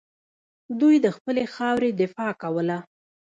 دوی د خپلې خاورې دفاع کوله